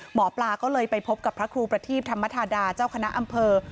หมอปลาก็เลยไปพบกับพระครูประทีปธรรมธาดาเจ้าคณะอำเภอ